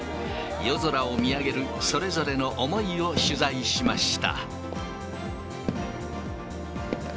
夜空を見上げるそれぞれの思いを取材しました。